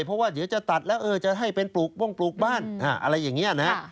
เพราะว่าเดี๋ยวจะตัดแล้วจะให้เป็นปลูกบ้งปลูกบ้านอะไรอย่างนี้นะฮะ